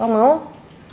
boleh minta tolong gak